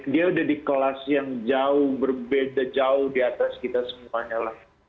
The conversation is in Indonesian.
dia udah di kelas yang jauh berbeda jauh di atas kita semuanya lah